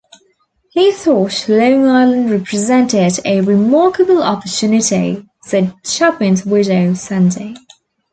"He thought Long Island represented a remarkable opportunity", said Chapin's widow, Sandy.